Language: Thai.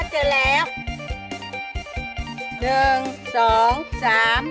เจอแล้วเจอแล้ว